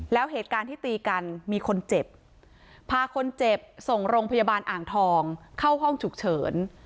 แล้วเหตุการณ์ที่ตีกันมีคนเจ็บพาคนเจ็บส่งโรงพยาบาลอ่างทองเข้าห้องฉุกเฉิน